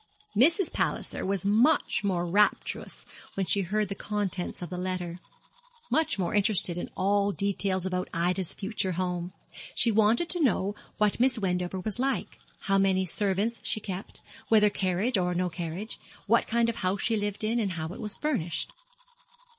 Mrs. Palliser was much more rapturous when she heard the contents of the letter much more interested in all details about Ida's future home. She wanted to know what Miss Wendover was like how many servants she kept whether carriage or no carriage what kind of a house she lived in, and how it was furnished.